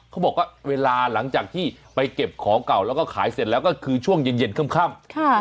เขาบอกว่าเวลาหลังจากที่ไปเก็บของเก่าแล้วก็ขายเสร็จแล้วก็คือช่วงเย็นค่ำ